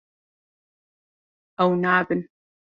Ew nabin.